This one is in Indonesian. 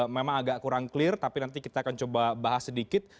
memang agak kurang clear tapi nanti kita akan coba bahas sedikit